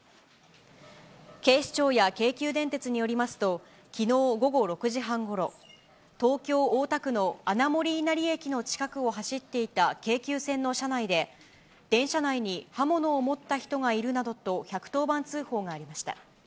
警視庁や京急電鉄によりますと、きのう午後６時半ごろ、東京・大田区の穴守稲荷駅の近くを走っていた京急線の車内で、電車内に刃物を持った人などがいるなどと、１１０番通報がありました。